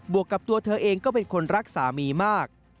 วกกับตัวเธอเองก็เป็นคนรักสามีมาก